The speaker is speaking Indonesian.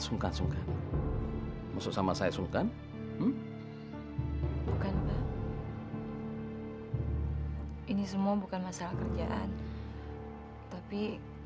sungkan sungkan masuk sama saya sungkan ini semua bukan masalah kerjaan tapi